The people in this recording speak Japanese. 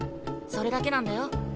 それだけなんだよ。